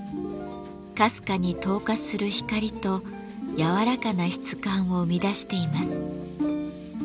かすかに透過する光と柔らかな質感を生み出しています。